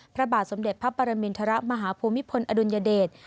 พระบาทสมเด็จพระปรมินทรมาฮภูมิพลอดุลยเดช